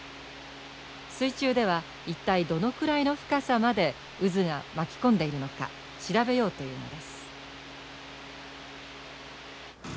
水中では一体どのくらいの深さまで渦が巻き込んでいるのか調べようというのです。